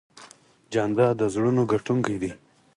جانداد د زړونو ګټونکی دی.